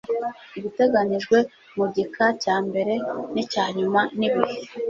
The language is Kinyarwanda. Ibiteganyijwe mu gika cya mbere n’icya nyuma nibihe